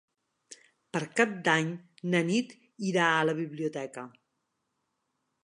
Per Cap d'Any na Nit irà a la biblioteca.